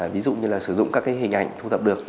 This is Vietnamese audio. ví dụ như là sử dụng các cái hình ảnh thu thập được